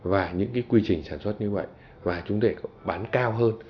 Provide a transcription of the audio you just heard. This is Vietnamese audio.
và những cái quy trình sản xuất như vậy và chúng ta có thể bán cao hơn